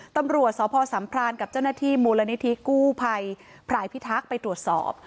ตำรวจสพสัมพรานกับเจ้าหน้าที่มูลนิธิกู้ภัยพรายพิทักษ์ไปตรวจสอบ